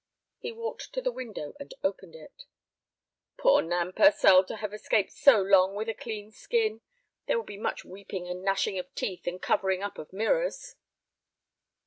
He walked to the window and opened it. "Poor Nan Purcell, to have escaped so long with a clean skin! There will be much weeping and gnashing of teeth and covering up of mirrors."